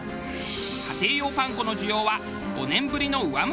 家庭用パン粉の需要は５年ぶりの上向きに。